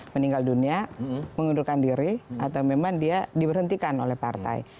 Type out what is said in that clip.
meninggal dunia mengundurkan diri atau memang dia diberhentikan oleh partai